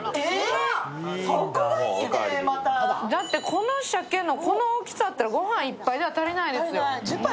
この鮭のこの大きさだったらご飯１杯じゃ足りないですよ。